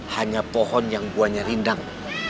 hanya pohon yang buahnya rindang